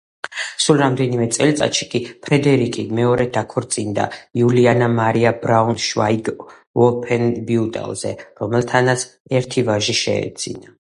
სულ რამდენიმე წელიწადში კი ფრედერიკი მეორედ დაქორწინდა იულიანა მარია ბრაუნშვაიგ-ვოლფენბიუტელზე, რომელთანაც ერთი ვაჟი შეეძინა.